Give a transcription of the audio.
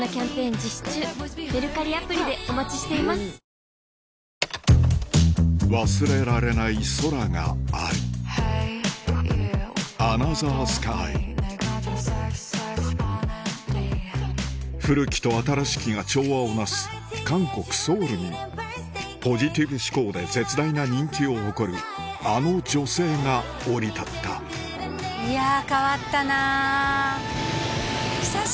ミライはきっと変えられる忘れられない空がある古きと新しきが調和を成す韓国ソウルにポジティブ思考で絶大な人気を誇るあの女性が降り立ったいや変わったな。